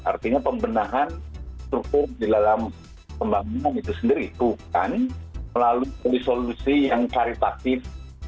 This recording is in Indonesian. artinya pembenahan struktur di dalam pembangunan itu sendiri bukan melalui solusi yang karitatif